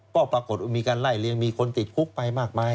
ก็ปรากฏว่ามีการไล่เลี้ยงมีคนติดคุกไปมากมาย